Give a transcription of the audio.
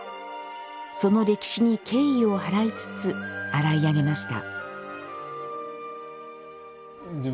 その歴史に敬意を払いつつ洗い上げました。